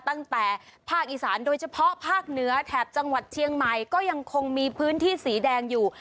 ตั้งแต่ภาคอีสานโดยเฉพาะภาคเหนือแถบจังหวัดเชียงใหม่ก็ยังคงมีพื้นที่สีแดงอยู่